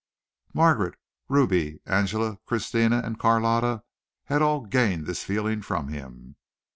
Margaret, Ruby, Angela, Christina and Carlotta had all gained this feeling from him.